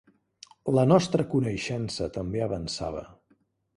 La nostra coneixença també avançava.